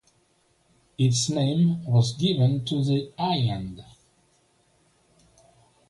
Its name was given to the island.